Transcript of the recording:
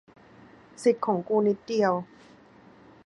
สิทธิของกูนิดเดียว